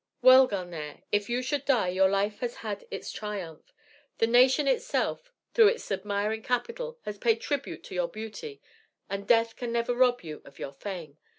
'well, Gulnare, if you should die, your life has had its triumph. The nation itself, through its admiring capital, has paid tribute to your beauty, and death can never rob you of your fame.'